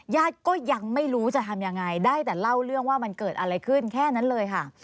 ญาติก็ยังไม่รู้จะทำยังไงได้แต่เล่าเรื่องว่ามันเกิดอะไรขึ้นแค่นั้นเลยค่ะ